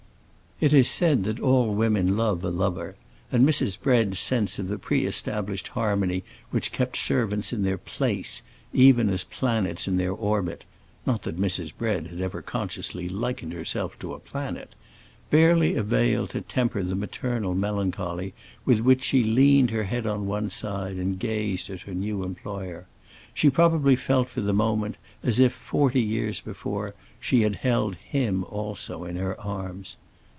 It is said that all women love a lover, and Mrs. Bread's sense of the pre established harmony which kept servants in their "place," even as planets in their orbits (not that Mrs. Bread had ever consciously likened herself to a planet), barely availed to temper the maternal melancholy with which she leaned her head on one side and gazed at her new employer. She probably felt for the moment as if, forty years before, she had held him also in her arms.